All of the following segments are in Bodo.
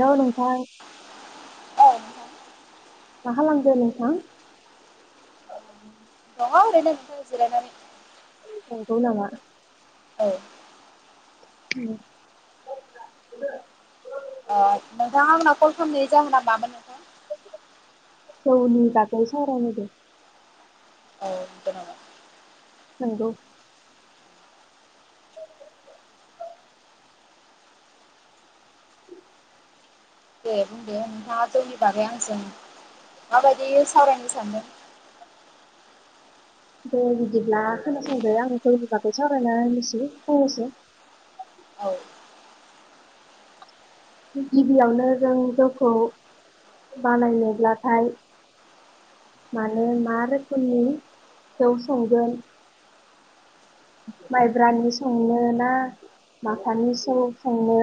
हेल' नों। थां औ नोंथां मा खालामदो नोंथां? दंङो ओरैनो जिरायनानै नोंगौ नामा। औ। उम [inaudible] ओ नोंथाङा आंनाव कल खालामनाय जाहोना मामोन नोंथां? जौनि बागै सावराय नायदो। औ नोंगौ नामा। नोंगौ। दे बुंदे नोंथाङा जौनि बागै आंजों माबायदि सावरायनो सानदों। दे बिदिब्ला खोनासंदो आं जौनि बागै सावरायना होनोसै फंनैसो। औ। गिबियावनो जों जौखौ बानायनोब्लाथाय माने मा रोखोमनि जौ संगोन। माइब्रानि संनो ना माब्रानि जौ संनो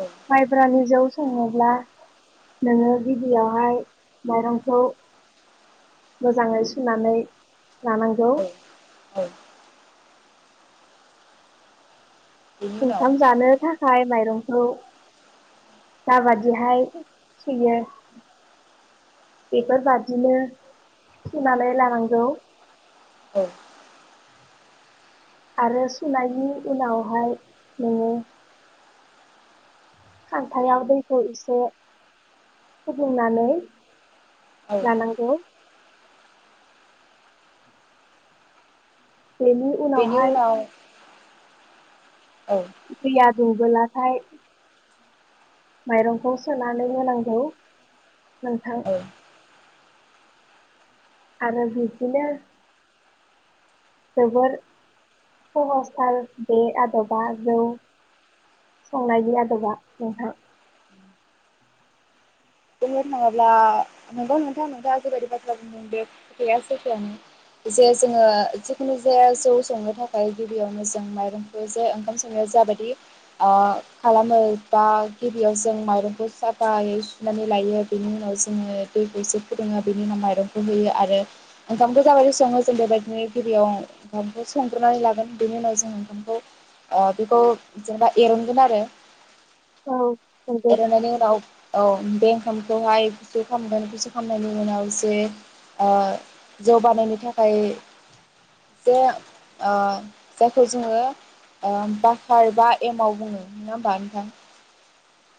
औ माइब्रानि जौ सङोब्ला नोङो गिबियावहाय माइरंखौ मोजाङै सुनानै लानांगौ। औ औ बेनि उनाव [unintelligible] जानो थाखाया आखाइ माइरंखौ जाबादिहाय सुयो बेफोरबादिनो सुनानै लानांगौ। औ। आरो सुनायनि उनावहाय नोङो। खान्थायाव दैखौ एसे फुदुंनानै औ लानांगौ। बेनि उनावहाय। औ। दैया दुंबोलाथाय। माइरंखौ सोनानै होनांगौ। नोंथां। औ आरो बिदिनो जोबोर सहजथार बे आदबा जौ संनायनि आदबा नोंथां। बुंनो थाङोब्ला नंगौ नोंथां नोंथाङा जेबायादि बाथ्रा बुंदों बे खोथायया सैथोआनो जे जोंङो जिखुनो जाया जौ संनो थाखाय गिबियावनो जों माइरंखौ जे ओंखाम संनायाव जा बायदि ओ खालामो बा‌ गिबियावनो बा गिबियाव जों माइरंखौ साफायै नानै लायो बेनि उनाव जोङो दैखौसे फुदुङो बेनि उनाव माइरंखौ होयो आरो ओंखामखौ जाबायदि सङो जों बेबायदिनो गिबियाव ओंखामखौ संग्रोनानै लागोन बेनि उनाव जों ओंखामखौ बेखौ जेनेबा एरनगोन आरो औ नंगौ एरननायनि उनाव औ। बे ओंखामखौहाय गुसु खामगोन गुसु खामनायनि उनाव जे ओ जौबानायनो थाखाय जे ओ जायखौ जोङो बकार बा एमाव बुङो नङा होमबा नोंथां।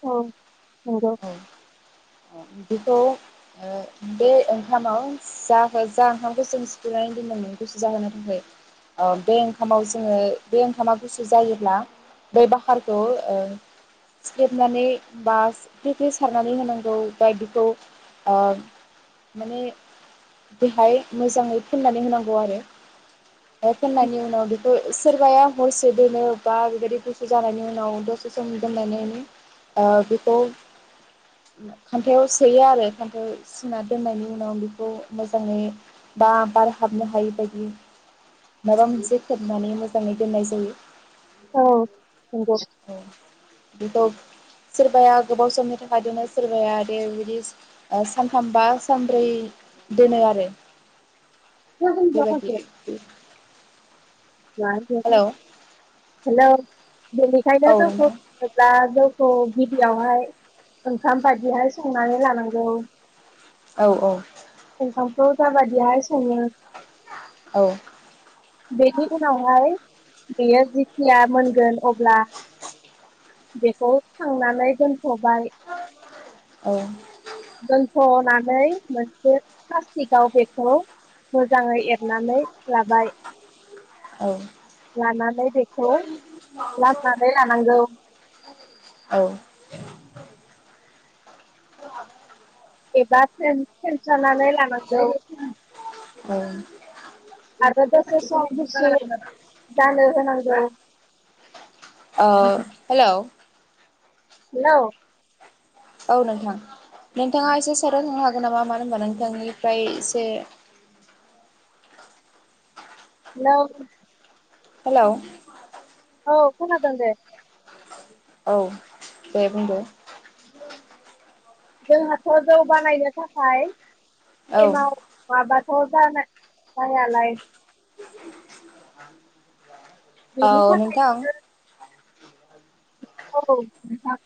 ओ नंगौ। औ बेखौ ओ बे ओंखामाव जा जा ओंखामखौ जों सिफुनानै दोनोमोन गुसु जाहोनो थाखाय बे ओंखामाव जोङो बे ओंखामा गुसु जायोब्ला बै बाखारखौ ओ सिख्लेबनानै बा फ्रि फ्रि सारनानै होनांगौ। बायदिखौ ओ माने बेहाय मोजाङै फोननानै होनांगौ आरो फोननायनि उनाव बेखौ सोरबाया हरसे दोनो बा बेबायदि गुसु जानायनि उनाव दसे सम दोननानै ओ बेखौ। खान्थायाव सोयो आरो खान्थायाव सोना दोननायनि उनाव बेखौ मोजाङै बा बार हाबनो हायि बायदि। माबा मोनसे खोबनानै मो खोबनानै दोननाय जायो। ओ नंगौ। [inaudible] औ बेखौ सोरबाया गोबाव समनि थाखाय दोनो सोरबाया दे बिदि सानथामबा सानब्रै दोनो आरो। नंगौ बेबायदि। हेलौ [unintelligible] हेलौ औ बेनिखायनो नोंथां [unintelligible] औ औ गिबियावहाय। ओंखाम बादिहाय संनानै लानांगौ। औ औ। [inaudible] [inaudible] बेनि उनावहाय बेयो जिखिया मोनगोन अब्ला बेखौ खांनानै दोन खबाय औ बैफोर नानै मोनसे [unintelligible] गाव बेखौ मोजाङै एरनानै लाबाय। औ लानानै बेखौ लामनानै लानांगौ। औ [inaudible] एबा फेन फेनसानानै लानांगौ। औ। आरो दसे सम दसे जानो होनांगौ । औ हेलौ। हेलौ । औ नोंथां। नोंथाङा एसे साइटआव थानो हा नामा मानो होनबा नोंथांनिफ्राय एसे हेलौ । हेलौ। औ खोनादों दे। औ दे बुंदो। जोंहाथ जौ बानायनो थाखाय एमाव माबा [inaudible] जाना जायालाय [inaudible] बेनि औ थाखाय नोंथां‌। औ नोंथां ।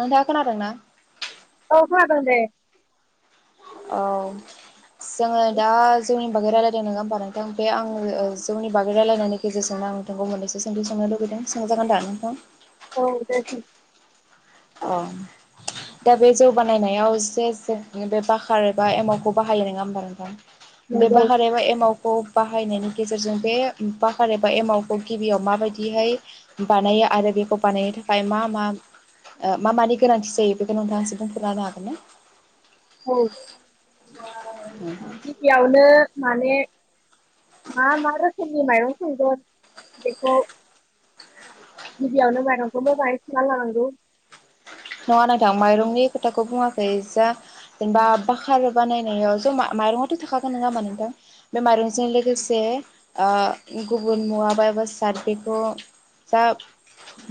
नोंथाङा खोनादों ना? औ खोनादों दे। औ जोङो दा जौनि बागै रायलायदों नोङा होमबा नोंथां बे आं ओ जौनि बागै रायलायनायनि गेजेरजोंनो आं नोंथांखौ मोननैसो सोंथि सोंनो लुुबैदों सोंजागोन दा नोंथां? औ दे। अ दा बे जौ बानायनायाव एसे जों बे बखार एबा एमावखौ बाहायो नङा होमबा नोंथां? बे नंगौ बाहार एमाव खौ बाहायनायनि गेजेरजों बे बाखार एबा एमावखौ गिबियाव माबायदिहाय बानायो आरो बेखौ बानायनो थाखाय मा मा मा मानि गोनांथि जायो बेखौ नोंथाङा एसे बुंफोरना होनो हागोन ना? औ। [inaudible] गिबियावनो माने मा मा रोखोमनि माइरं संगोन बेखौ गिबियावनो माइरंखौ मोजाङै सुना लानांगौ। नङा नोंथां माइरंनि खोथाखौ बुङाखै जा जेनेबा बाखार बानायनायाव जा माइरंआथ' थाखागोन नङा होमा नोंथां? बे माइरंजों लोगोसे ओ गुबुन मुवा बा एबा बेसाद बेखौ जा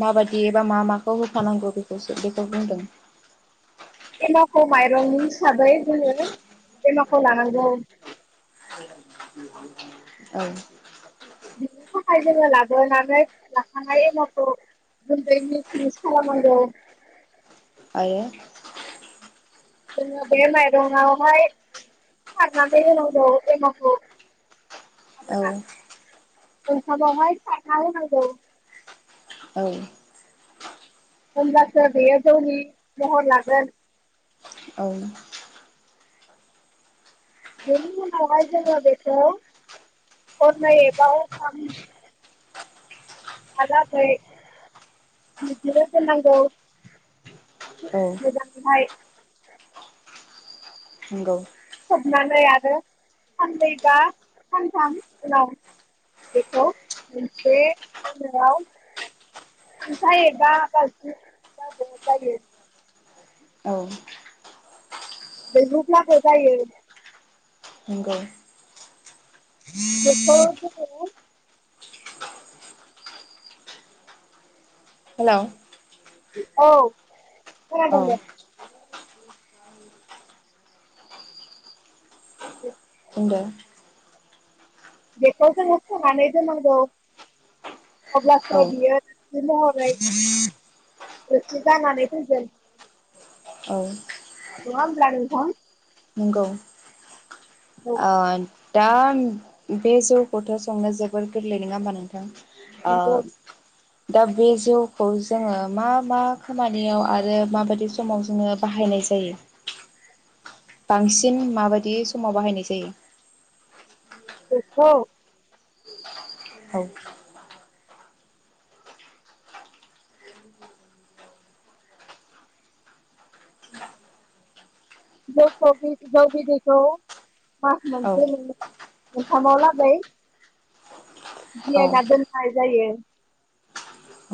माबायदि एबा मा माखौ होफानांगौ बेखौसो। बिदिखौ बुंदों। एमावखौ माइरंनि हिसाबै जोङो एमावखौ लानांगौ। औ बिनिथाखाय जों लाबोनानै। लाखांना‌ एमावखौ गुन्दै मि-मिस खालामांगौ। आरो जोङो बे माइरंआवहाय सारनानै होनांगौ एमावखौ। औ आरोना ओंखामावहाय सारना होनांगौ। औ होमबासो बेयो जौनि महर लागोन। औ बेनि उनाव हाय जोंओ बेखौ हरनैबाव हरथाम हालागै बिदिनो दोनां नांगौ। औ मोजां [unintelligible] नोंगौ खोबनानै आरो साननै बा सानथाम उनाव बेखौ मोनसे होनायाव [unintelligible] जायो। औ [unintelligible] जायो। नंगौ बेखौ जोङो हेल' औ खोनादों दे [unintelligible] [unintelligible] बेखौ जोंङो सोनानै दोननांगौ। औ अब्लासो बियो बिदि महरै रोसि जानानै फैगोन औ नंङा होनब्ला नोंथां नंगौ औ ओ दा बे जौखौथ संनो जोबोर गोरलै नोंङा होनबा नोंथां? नंगौ ओ दा बे जौखौ जोङो मा मा खामानियाव आरो माबायदि समाव जोङो बाहायनाय जायो। बांसिन माबायदि समाव बाहायनाय जायो। बेखौ औ [unintelligible] मास मोनसे औ जोंनो [unintelligible] लागौ औ [unintelligible] जायो‌।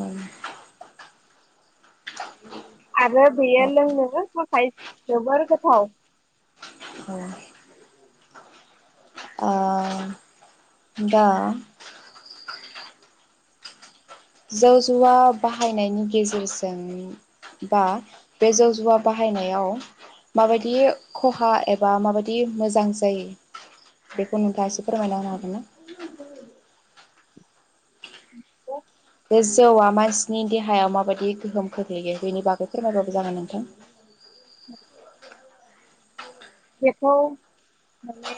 औ आरो बेयो ओ लोंनोनो थाखाय जोबोर गोथाव। दा जौ जुवा बाहायनायनि गेजेरजों बा बे जौ जुवा बाहायनायाव माबायदि खहा एबा माबायदि मोजां जायो बेखौ नोंथाङा एसे फोरमायना होनो हागोन ना। बे जौआ मानसिनि देहायाव माबायदि गोहोम खोख्लैयो बेनि बागै फोरमायबाबो जागोन नोंथां। बेखौ माने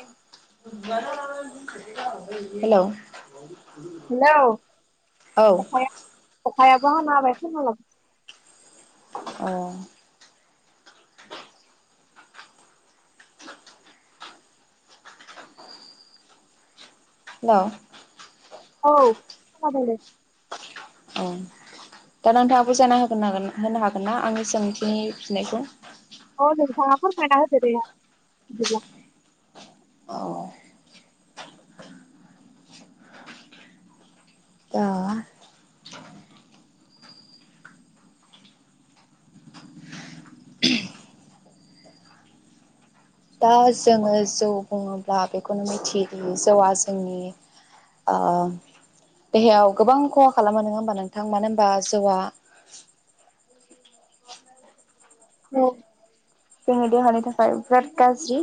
हेल' हेलौ अखाया अखायाबो हाना होबाय औ। हेल' औ माबोरै औ दा नोंथाङा बुजायना होगागोन होनो हागोन ना आंनि सोंथिनि फिनायखौ औ नोंथाङा फोरमायना होदों दे बिदिब्ला अ दा दा जोङो जौ बुङोब्ला बेखौनो मिथियोदि जौआ जोंनि आ देहायाव गोबां खहा खालामो नोङा होमबा नोंथां मानो होनोमबा जौआ औ। जोंयो देहानि थाखाय बिराद गाज्रि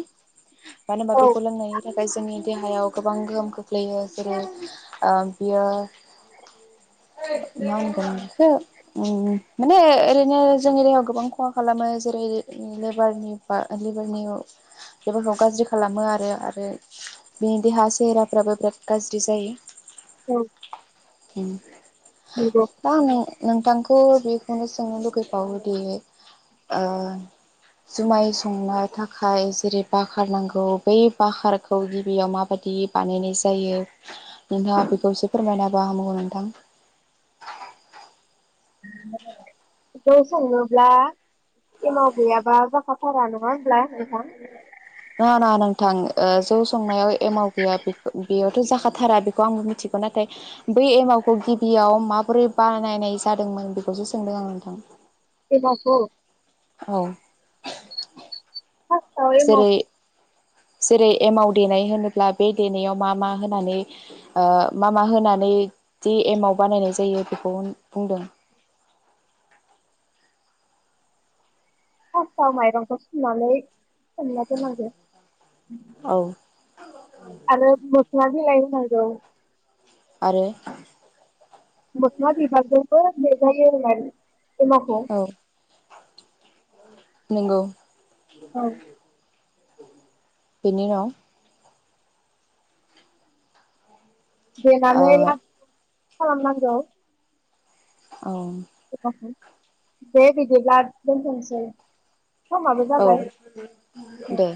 मानो होनबा औ बेखौ लोंनायनि थाखाय जोंनि देहायाव गोबां गोबां गोहोम खोख्लैयो जेरै आ बियो मा होनगोन बेखौ माने ओरैनो जोंनि देहायाव गोबां खहा खालामो जेरै लेभारनि बा लेभारखौ गाज्रि खालामो आरो आरो बिनि देहा सेहेराफ्राबो बिराद गाज्रि जायो औ। म, नंगौ मा होनो नोंथांखौ थ बेखौनो सोंनो लुगैबावोदि ओ जुमाय संनो थाखाय जेरै बखारार नांगौ बै बाकारखौ गिबियाव माबादि बानायनाय जायो नोंथाङा बेखौसो फोरमायनाब होनामगौ नोंथां। बेखौ सङोब्ला एमाव गैयाबा बाखााथारा नङा हब्ला नोंथां? नङा नङा नोंथां जौ संनायाव एमाव गैया बेयावथ जाखाथारा बेखौ आंबो मिथिगौ नाथाय बै एमावखौ गिबियाव माबोरै बानायनाय जादोंमोन बेखौसो सोंदों आं नोंथां। एमाव खौ औ फार्स्टआव जेरै जेरै एमाव देनाय होनोब्ला बे देनायाव मा मा ओ होनानै मा मा होनानैदि एमाव बानायनाय जायो बेखौ बुंदों। हासाव माइरंखौ सुनानै सोमला दोन नांगो औ आरो मसला [unintelligible] आरो मस्ला बिभागबो मेघायो होननानै। एमावखौ नोंगौ। औ [unintelligible] बिनि उनाव देनानानै ओ खालाम नांगौ औ दे बिदिब्ला दोनथनोसै । औ दे।